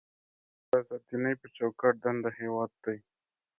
د ازاد دینۍ په چوکاټ دننه هېواد دی.